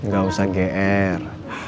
gak usah gr